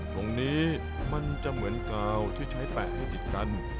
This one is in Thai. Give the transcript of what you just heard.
ตรงนี้มันจะเหมือนกาวที่ใช้แปะให้ติดกัน